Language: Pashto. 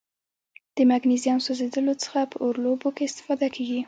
د مګنیزیم سوځیدلو څخه په اور لوبو کې استفاده کیږي.